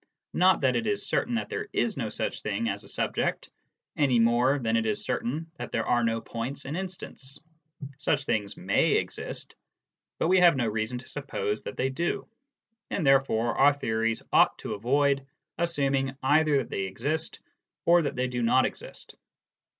Not that it is certain that there is no such thing as a " subject," any more than it is certain that there are no points and instants. Such things may exist, but we have no reason to suppose that they do, and therefore our theories ought to avoid assuming either that they exist or that they do not exist.